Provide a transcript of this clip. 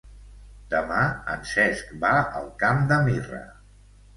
Demà en Cesc va al Camp de Mirra.